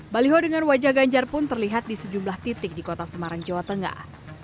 baliho dengan wajah ganjar pun terlihat di sejumlah titik di kota semarang jawa tengah